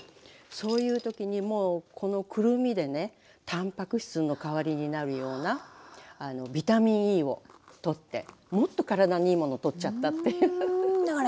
そういう時にもうこのくるみでねたんぱく質の代わりになるようなあのビタミンＥをとってもっと体にいいものとっちゃったっていうウフフ。